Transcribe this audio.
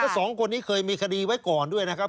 สองคนนี้เคยมีคดีไว้ก่อนด้วยนะครับ